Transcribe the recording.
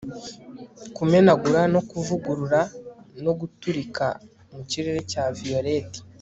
Kumenagura no kuvugurura no guturika mukirere cya violet